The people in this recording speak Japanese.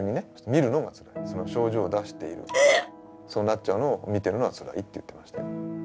そうなっちゃうのを見てるのはつらいって言ってましたよ